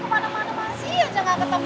kemana sih kamu nak